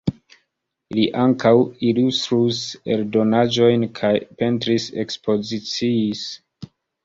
Li ankaŭ ilustris eldonaĵojn kaj pentris-ekspoziciis.